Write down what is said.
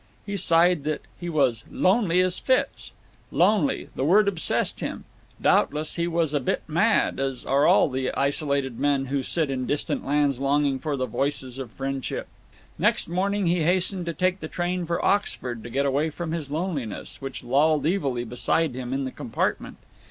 He sighed that he was "lonely as fits." Lonely—the word obsessed him. Doubtless he was a bit mad, as are all the isolated men who sit in distant lands longing for the voices of friendship. Next morning he hastened to take the train for Oxford to get away from his loneliness, which lolled evilly beside him in the compartment.